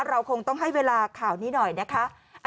เราคงต้องให้เวลาข่าวนี้หน่อยนะคะ